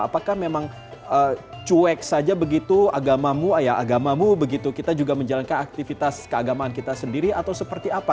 apakah memang cuek saja begitu agamamu kita juga menjalankan aktivitas keagamaan kita sendiri atau seperti apa